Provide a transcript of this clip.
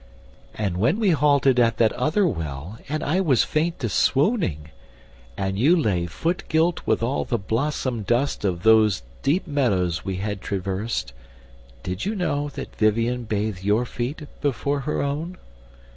And when we halted at that other well, And I was faint to swooning, and you lay Foot gilt with all the blossom dust of those Deep meadows we had traversed, did you know That Vivien bathed your feet before her own?